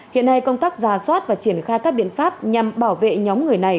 hiện nay công tác giả soát và triển khai các biện pháp nhằm bảo vệ nhóm người này